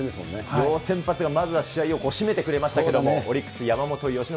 両先発がまずは試合を締めてくれましたけれども、オリックス山本由伸。